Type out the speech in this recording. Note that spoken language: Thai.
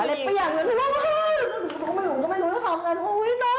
แล้วมันก็ไม่รู้มันก็ไม่รู้แล้วทำงานโอ้ยน้องหนูตายแล้ว